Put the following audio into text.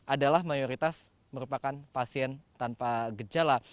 adalah mayoritas merupakan pasien tanpa gejala